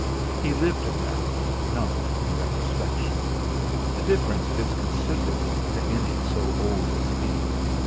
He lived in that, not in retrospection; the difference is considerable to any so old as he.